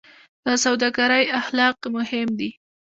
د سوداګرۍ اخلاق مهم دي